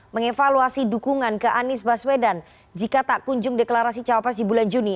mengevaluasi dukungan ke anies baswedan jika tak kunjung deklarasi cawapres di bulan juni